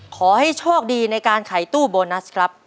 ขอให้โชคดีในการขายตู้โบนัสครับ